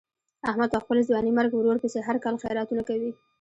احمد په خپل ځوانیمرګ ورور پسې هر کال خیراتونه کوي.